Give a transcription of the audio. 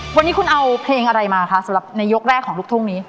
วันนี้คุณเอาเพลงอะไรมาคะสำหรับในยกแรกของลูกทุ่งนี้